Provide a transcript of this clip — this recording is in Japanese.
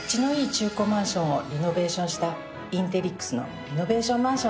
中古マンションをリノベーションしたインテリックスのリノベーションマンションです。